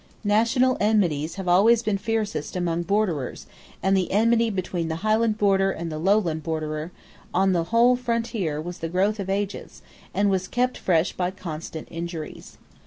National enmities have always been fiercest among borderers; and the enmity between the Highland borderer and the Lowland borderer along the whole frontier was the growth of ages, and was kept fresh by constant injuries.